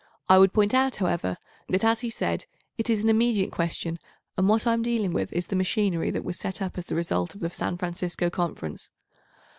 I would point out, however, that, as he said, it is an immediate question, and what I am dealing with is the machinery that was set up as the result of the San Francisco Conference.